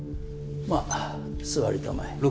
まあ座りたまえ。